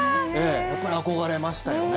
やっぱり憧れましたよね。